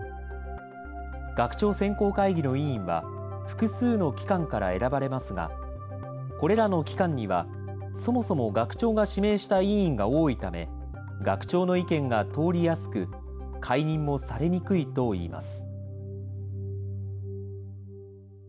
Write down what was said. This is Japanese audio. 学長選考会議の委員は、複数の機関から選ばれますが、これらの機関には、そもそも学長が指名した委員が多いため、学長の意見が通りやすく、解任もされにくいといいます。